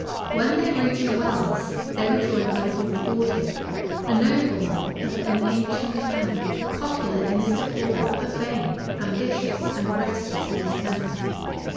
When they reached Wells, they were joined by Lord Audley, a nobleman of an ancient family, popular in his deportment, but vain, ambitious and restless in his temper.